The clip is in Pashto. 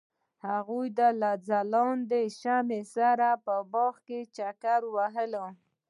هغوی د ځلانده شمیم سره په باغ کې چکر وواهه.